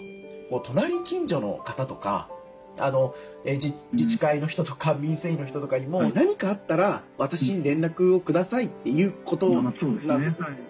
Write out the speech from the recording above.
隣近所の方とか自治会の人とか民生委員の人とかにも何かあったら私に連絡をくださいということなんです。